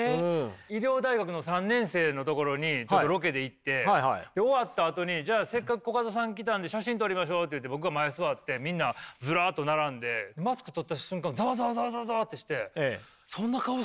医療大学の３年生のところにロケで行って終わったあとにじゃあせっかくコカドさん来たんで写真撮りましょうって言って僕が前座ってみんなズラっと並んでマスク取った瞬間にザワザワザワザワってしてそんな顔してたんだって言って。